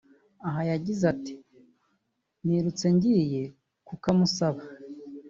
Aha yagize ati” Nirutse ngiye kukamusaba